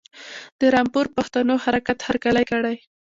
د رامپور پښتنو حرکت هرکلی کړی.